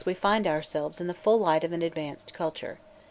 we find ourselves in the full light of an advanced culture.